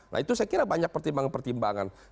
nah itu saya kira banyak pertimbangan pertimbangan